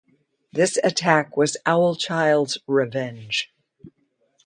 This attack was Owl Child's revenge.